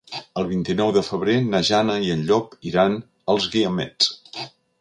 El vint-i-nou de febrer na Jana i en Llop iran als Guiamets.